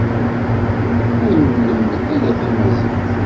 Ur nlemmed ara tamaziɣt.